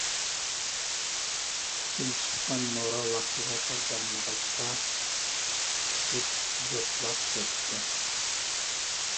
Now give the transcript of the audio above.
تۈتۈن چىققان مورا ۋاقتىدا تازىلانمىغاچقا پۈتۈپ، دۇتلاپ كەتتى.